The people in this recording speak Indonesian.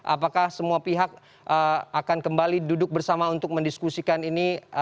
apakah semua pihak akan kembali duduk bersama untuk mendiskusikan ini